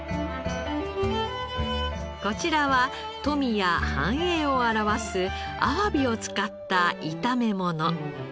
こちらは富や繁栄を表すアワビを使った炒め物。